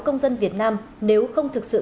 công dân việt nam nếu không thực sự